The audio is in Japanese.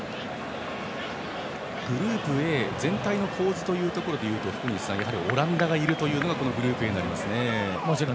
グループＡ全体の構図でいうと福西さん、やはりオランダがいるというのがこのグループＡになりますね。